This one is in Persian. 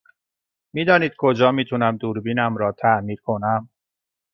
می دانید کجا می تونم دوربینم را تعمیر کنم؟